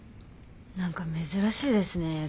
何か珍しいですね